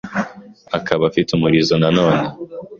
Akaba afite umurizo nanone